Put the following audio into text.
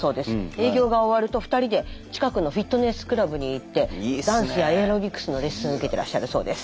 営業が終わると２人で近くのフィットネスクラブに行ってダンスやエアロビクスのレッスンを受けてらっしゃるそうです。